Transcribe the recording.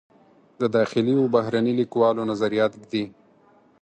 د داخلي و بهرني لیکوالو نظریات ږدي.